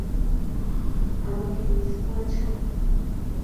আমাকে মিস করেছ?